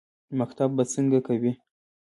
_مکتب به څنګه کوې؟